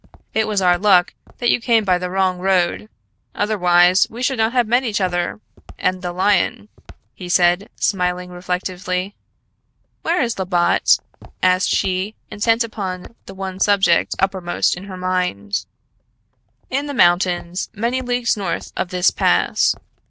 It was our luck that you came by the wrong road. Otherwise we should not have met each other and the lion," he said, smiling reflectively. "Where is Labbot?" asked she, intent upon the one subject uppermost in her mind. "In the mountains many leagues north of this pass.